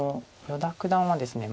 依田九段はですね